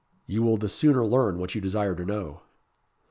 "You will the sooner learn what you desire to know."